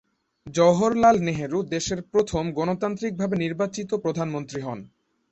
জওহরলাল নেহেরু দেশের প্রথম গণতান্ত্রিকভাবে নির্বাচিত প্রধানমন্ত্রী হন।